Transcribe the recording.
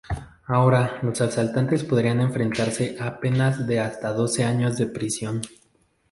Ahora, los asaltantes podrían enfrentarse a penas de hasta doce años de prisión.